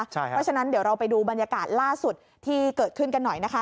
เพราะฉะนั้นเดี๋ยวเราไปดูบรรยากาศล่าสุดที่เกิดขึ้นกันหน่อยนะคะ